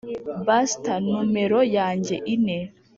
buster numero yanjye ine,